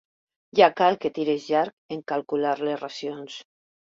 Ja cal que tiris llarg en calcular les racions.